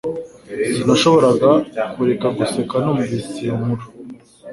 Sinashoboraga kureka guseka numvise iyo nkuru